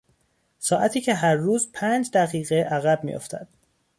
ساعتی که هر روز پنج دقیقه عقب میافتد.